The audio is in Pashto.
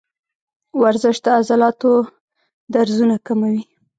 ورزش د عضلاتو درزونه کموي.